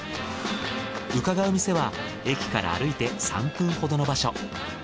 伺う店は駅から歩いて３分ほどの場所。